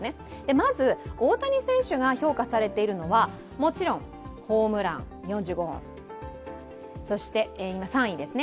まず、大谷選手が評価されているのはもちろんホームラン４５本、３位ですね。